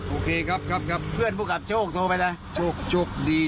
โอเคครับคุณพูดถูกครับโชคพูดสวยเลย